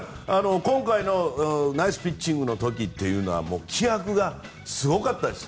今回のナイスピッチングの時というのは気迫がすごかったです。